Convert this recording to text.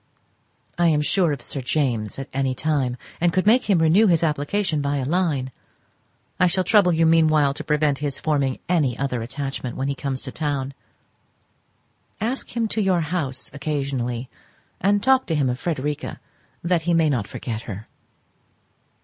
I am sure of Sir James at any time, and could make him renew his application by a line. I shall trouble you meanwhile to prevent his forming any other attachment when he comes to town. Ask him to your house occasionally, and talk to him of Frederica, that he may not forget her.